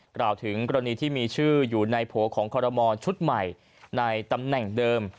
กล่าวถึงกรณีที่มีชื่ออยู่ในโผล่ของคอรมอลชุดใหม่ในตำแหน่งเดิม